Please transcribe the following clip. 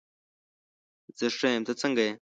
زه ښه یم، ته څنګه یې؟